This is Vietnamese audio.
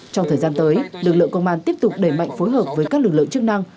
trong thời gian tới lực lượng công an tiếp tục đẩy mạnh phối hợp với các lực lượng chức năng